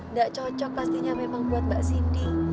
nggak cocok pastinya memang buat mbak sindi